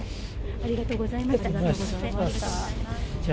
ありがとうございます。